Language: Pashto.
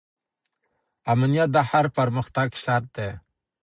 امنیت د هر پرمختګ شرط دی.